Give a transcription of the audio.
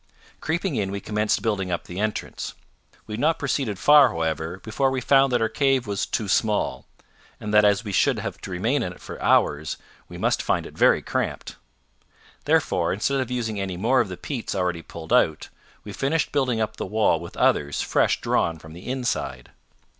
Creeping in, we commenced building up the entrance. We had not proceeded far, however, before we found that our cave was too small, and that as we should have to remain in it for hours, we must find it very cramped. Therefore, instead of using any more of the peats already pulled out, we finished building up the wall with others fresh drawn from the inside.